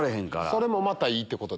それもまたいいってこと。